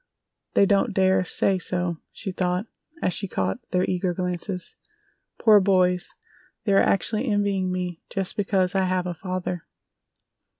"They don't dare say so," she thought, as she caught their eager glances. "Poor boys, they are actually envying me just because I have a father!"